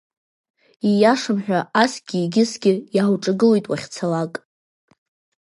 Ииашам ҳәа асгьы егьысгьы, иаауҿагылоит уахьцалак.